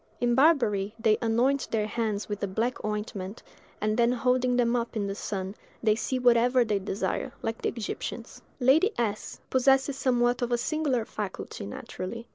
In Barbary they anoint their hands with a black ointment, and then holding them up in the sun, they see whatever they desire, like the Egyptians. Lady S—— possesses somewhat of a singular faculty, naturally.